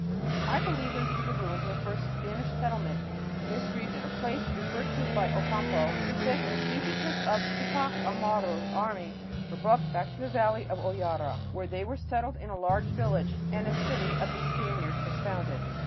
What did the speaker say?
I believe them to be the ruins of the first Spanish settlement in this region, a place referred to by Ocampo, who says that the fugitives of Tupac Amaru's army were "brought back to the valley of Hoyara," where they were "settled in a large village, and a city of Spaniards was founded